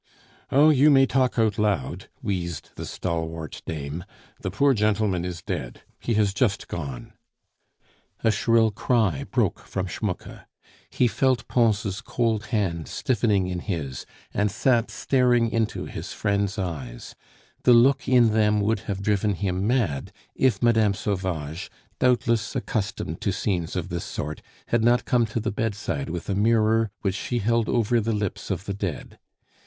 "Oh! you may talk out loud," wheezed the stalwart dame. "The poor gentleman is dead.... He has just gone." A shrill cry broke from Schmucke. He felt Pons' cold hand stiffening in his, and sat staring into his friend's eyes; the look in them would have driven him mad, if Mme. Sauvage, doubtless accustomed to scenes of this sort, had not come to the bedside with a mirror which she held over the lips of the dead.